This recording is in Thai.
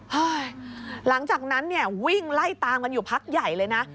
ห้อยหลังจากนั้นวิ่งไล่ตามกันอยู่พักใหญ่เลยนะ